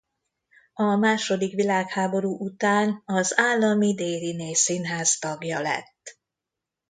A második világháború után az Állami Déryné Színház tagja lett.